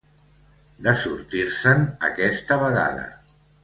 De sortir-se'n, aquesta vegada.